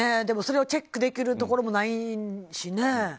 でも、それをチェックできるところもないしね。